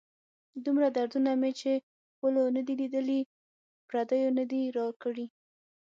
دومره دردونه مې چې خپلو نه لیدلي، پردیو نه دي را کړي.